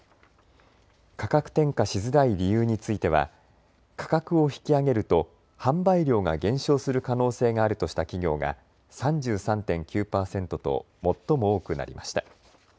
価格転嫁しづらい理由については価格を引き上げると販売量が減少する可能性があるとした企業が３３．９％と最も多くなりました。